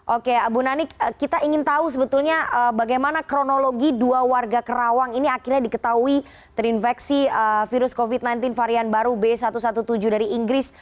oke bu nanik kita ingin tahu sebetulnya bagaimana kronologi dua warga kerawang ini akhirnya diketahui terinfeksi virus covid sembilan belas varian baru b satu satu tujuh dari inggris